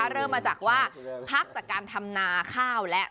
เริ่มมาจากว่าพักจากการทำนาข้าวแล้ว